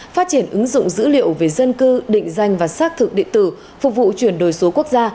phát triển ứng dụng dữ liệu về dân cư định danh và xác thực địa tử phục vụ chuyển đổi số quốc gia